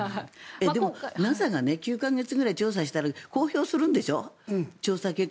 でもＮＡＳＡが９か月くらい調査したら公表するんでしょ？